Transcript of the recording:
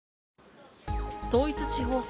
統一地方選